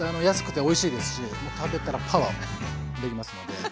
安くておいしいですし食べたらパワーもできますので。